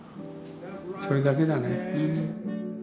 それだけだね。